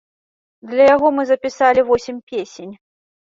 Для яго мы запісалі восем песень.